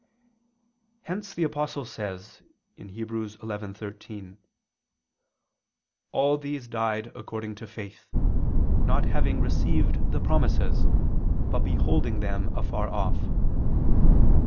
Hence the Apostle says (Heb. 11:13): "All these died according to faith, not having received the promises, but beholding them afar off."